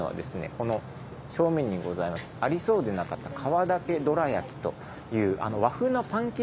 この正面にございますありそうでなかった「皮だけどら焼き」という和風のパンケーキ。